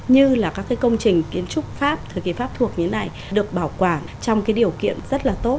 như là các công trình kiến trúc pháp thời kỳ pháp thuộc như thế này được bảo quản trong điều kiện rất là tốt